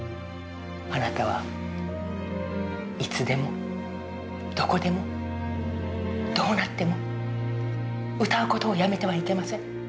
あなたは、いつでもどこでもどうなっても歌うことをやめてはいけません。